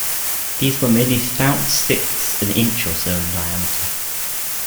These were merely stout sticks an inch or so in diameter.